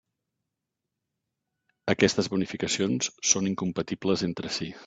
Aquestes bonificacions són incompatibles entre si.